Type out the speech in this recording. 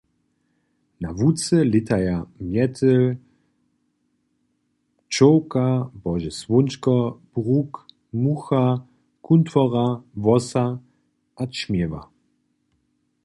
Na łuce lětaja mjetel, pčołka, bože słónčko, bruk, mucha, kuntwora, wosa a čmjeła.